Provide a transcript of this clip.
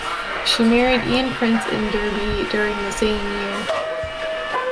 She married Ian Prince in Derby during the same year.